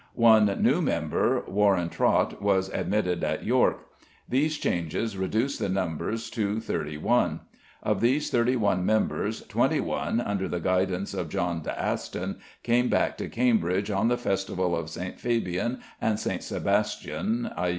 One new member, Warin Trot, was admitted at York. These changes reduced the numbers to thirty one. Of these thirty one members, twenty one, under the guidance of John de Aston, came back to Cambridge on the festival of St Fabian and St Sebastian (_i.